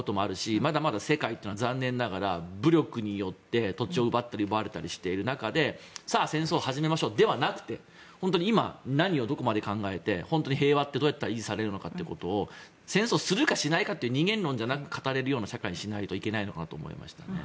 まだまだ世界というのは残念ながら武力によって土地を奪ったり奪われたりしている中でさあ、戦争を始めましょうではなくて今、何をどこまで考えて本当に平和ってどうやったら維持されるのかということを戦争をするか、しないかという二元論で語れるようにしなければいけないと思いました。